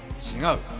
違う。